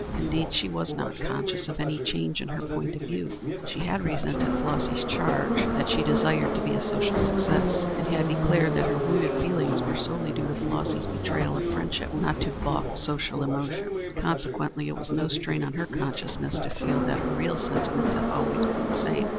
Indeed, she was not conscious of any change in her point of view. She had resented Flossy's charge that she desired to be a social success, and had declared that her wounded feelings were solely due to Flossy's betrayal of friendship, not to balked social ambition. Consequently it was no strain on her conscientiousness to feel that her real sentiments had always been the same.